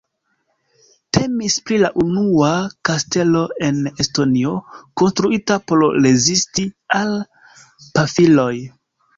Temis pri la unua kastelo en Estonio konstruita por rezisti al pafiloj.